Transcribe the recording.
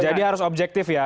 jadi harus objektif ya